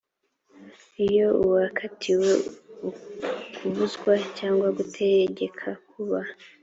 iyo uwakatiwe kubuzwa cyangwa gutegekwa kuba